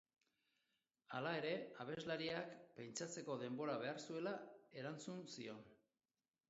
Hala ere, abeslariak pentsatzeko denbora behar zuela erantzun zion.